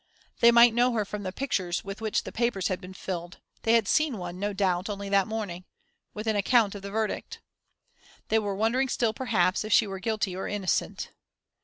They might know her from the pictures with which the papers had been filled; they had seen one, no doubt, only that morning, with an account of the verdict. They were wondering still, perhaps, if she were guilty or innocent.